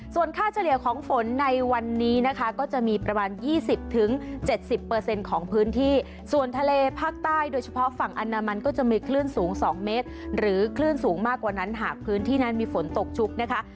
ส่วนค่าเฉลี่ยของฝนในวันนี้นะคะก็จะมีประมาณ๒๐๗๐ของพื้นที่ส่วนทะเลภาคใต้โดยเฉพาะฝั่งอนามันก็จะมีคลื่นสูง๒เมตรหรือคลื่นสูงมากกว่านั้นหากพื้นที่นั้นมีฝนตกชุกนะคะ